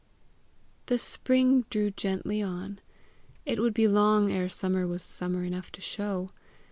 The spring drew gently on. It would be long ere summer was summer enough to show.